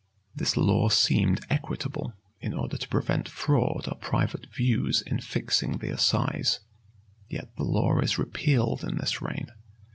This law seemed equitable, in order to prevent fraud or private views in fixing the assize: yet the law is repealed in this reign.